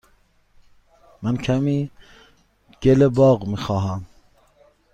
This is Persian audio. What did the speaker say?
من کمی گل باغ می خواهم.